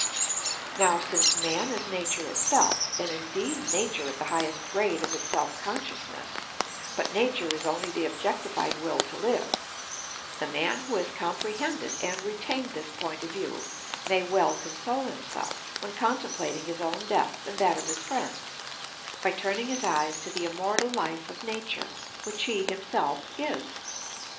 Now, since man is Nature itself, and indeed Nature at the highest grade of its self consciousness, but Nature is only the objectified will to live, the man who has comprehended and retained this point of view may well console himself, when contemplating his own death and that of his friends, by turning his eyes to the immortal life of Nature, which he himself is.